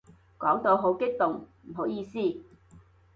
講到好激動，唔好意思